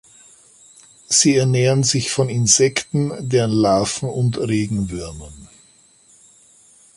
Sie ernähren sich von Insekten, deren Larven und Regenwürmern.